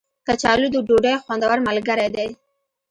کچالو د ډوډۍ خوندور ملګری دی